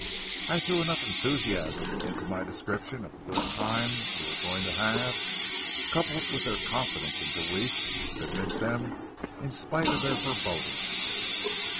I threw enough enthusiasm into my description of the good time we were going to have, coupled with their confidence in Deweese, to convince them in spite of their forebodings.